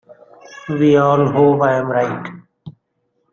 We all hope I am right.